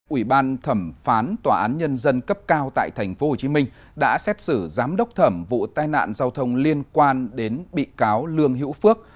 ủy ban thẩm phán tòa án nhân dân cấp cao tại tp hcm đã xét xử giám đốc thẩm vụ tai nạn giao thông liên quan đến bị cáo lương hữu phước